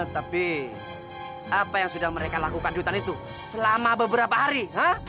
tapi apa yang sudah mereka lakukan di hutan itu selama beberapa hari